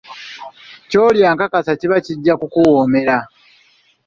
Ky'olya nkakasa kiba kijja kukuwoomera.